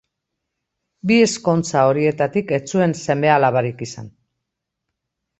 Bi ezkontza horietatik ez zuen seme-alabarik izan.